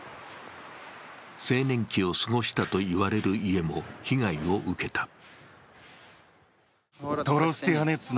青年期を過ごしたと言われる家も被害を受けた。